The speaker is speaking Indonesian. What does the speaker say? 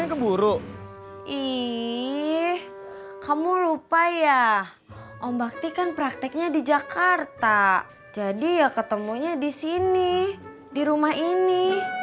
keburu iih kamu lupa ya om bakti kan prakteknya di jakarta jadi ya ketemunya di sini di rumah ini